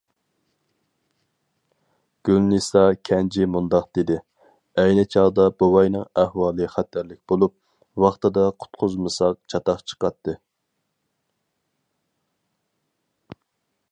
گۈلنىسا كەنجى مۇنداق دېدى: ئەينى چاغدا بوۋاينىڭ ئەھۋالى خەتەرلىك بولۇپ، ۋاقتىدا قۇتقۇزمىساق چاتاق چىقاتتى.